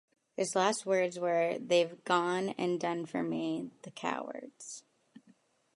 His last words were They've gone and done for me, the cowards.